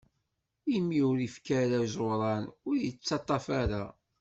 Imi ur ifki ara iẓuran, ur ittaṭṭaf ara.